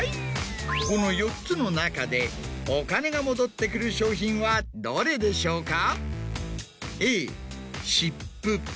この４つの中でお金が戻ってくる商品はどれでしょうか？